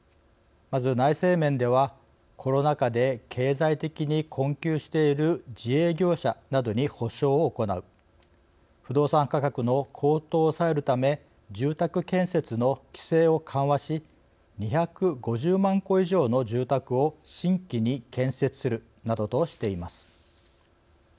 まず内政面ではコロナ禍で経済的に困窮している自営業者などに補償を行う不動産価格の高騰を抑えるため住宅建設の規制を緩和し２５０万戸以上の住宅を新規に建設するなどとしています。